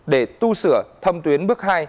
để tu sửa thông tuyến bước hai